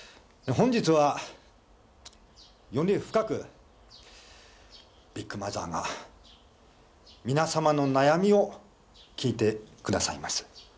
本日はより深くビッグマザーが皆様の悩みを聞いてくださいます。